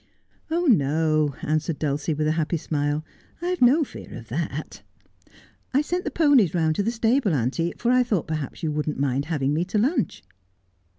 ' Oh, no,' answered Dulcie, with a happy smile, 'I have no fear of that. I sent the ponies round to the stables, auntie, for I thought perhaps you would not mind having me to lunch.'